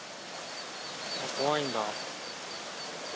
怖いんだ。